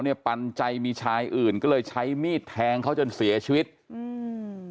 เนี่ยปัญญาใจมีชายอื่นก็เลยใช้มิตรแทงเขาจนเสียชีวิตอืม